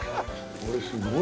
これすごいね。